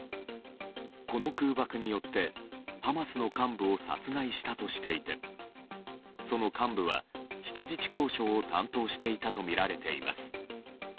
この空爆によってハマスの幹部を殺害したとしていてその幹部は、人質交渉を担当していたとみられています。